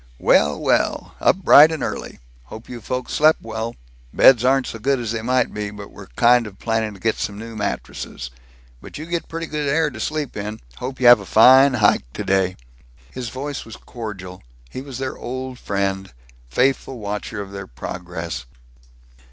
"Well, well! Up bright and early! Hope you folks slept well. Beds aren't so good as they might be, but we're kind of planning to get some new mattresses. But you get pretty good air to sleep in. Hope you have a fine hike today." His voice was cordial; he was their old friend; faithful watcher of their progress.